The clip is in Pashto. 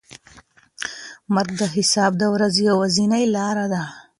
مرګ د حساب د ورځې یوازینۍ لاره ده.